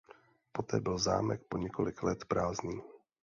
Poté byl zámek po několik let prázdný.